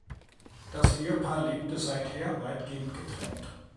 Das Ehepaar lebte seither weitgehend getrennt.